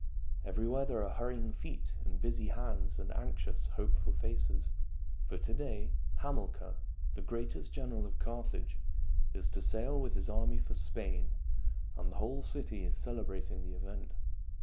Everywhere there are hurrying feet and busy hands and anxious, hopeful faces. For to day Hamilcar, the greatest general of Carthage, is to sail with his army for Spain, and the whole city is celebrating the event.